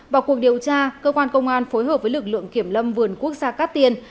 vào cuộc điều tra cơ quan công an phối hợp với lực lượng kiểm lâm vườn quốc gia cát tiên